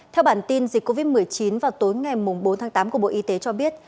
theo bản tin dịch covid một mươi chín vào tối ngày bốn tháng tám của bộ y tế cho biết